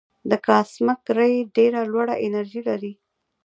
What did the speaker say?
د کاسمک رې ډېره لوړه انرژي لري.